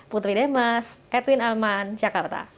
putri demas edwin aman jakarta